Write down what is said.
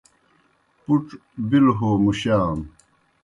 پُڇ بِلوْ ہو مُشانوْ